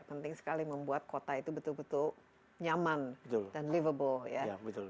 penting sekali membuat kota itu betul betul nyaman dan livable ya